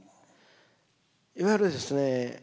いわゆるですね